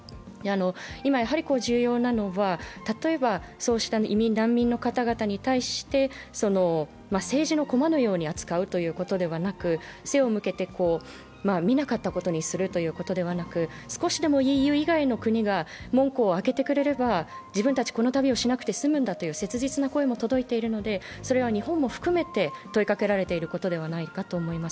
今、重要なのは、例えばそうした移民、難民の方に対して政治のこまのように扱うということではなく、背を向けて見なかったことにするということではなく、少しでもＥＵ以外の国が門戸を開けてくれてさえすれば自分たち、この旅をしなくて済むんだという切実な声も届いているので、それは日本も含めて問いかけられていることではないかと思います。